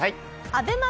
ＡＢＥＭＡ